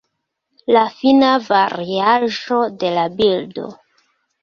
La fina variaĵo de la bildo.